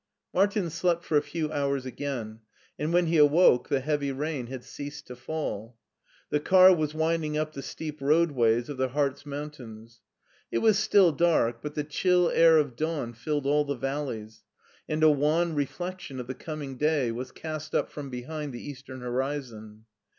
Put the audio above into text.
Martin slept for a few hours again, and when he awoke the heavy rain had ceased to fall. The car was winding up the steep roadways of the Hartz Moun tains. It was still dark, but the chill air of dawn filled all the valleys, and a wan reflection of the coming day was cast up from behind the eastern horizon.